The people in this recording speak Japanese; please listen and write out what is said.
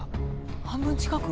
半分近く？